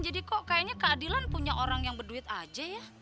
jadi kok kayaknya keadilan punya orang yang berduit aja ya